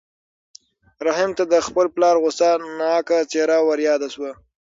رحیم ته د خپل پلار غوسه ناکه څېره وریاده شوه.